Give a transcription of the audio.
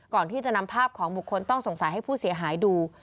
ก่อนที่จะนำภาพของบุคคลต้องสงสัยให้ผู้เสียหายดู